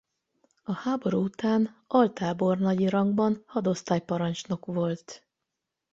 A háború után altábornagyi rangban hadosztályparancsnok volt.